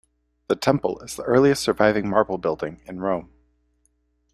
The temple is the earliest surviving marble building in Rome.